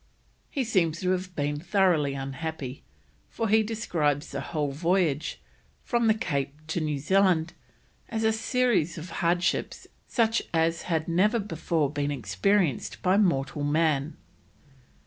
He seems to have been thoroughly unhappy, for he describes the whole voyage, from the Cape to New Zealand, as a series of hardships such as had never before been experienced by mortal man.